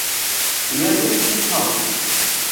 Uyardığın için sağ ol.